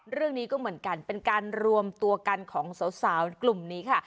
เรื่องนี้ก็เหมือนกันเป็นการรวมตัวกันของสาวกลุ่มนี้ค่ะ